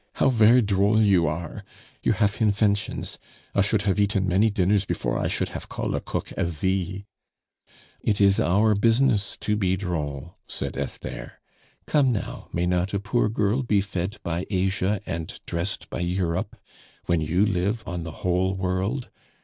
"How ver' droll you are. You hafe infentions. I should hafe eaten many dinners before I should hafe call' a cook Asie." "It is our business to be droll," said Esther. "Come, now, may not a poor girl be fed by Asia and dressed by Europe when you live on the whole world?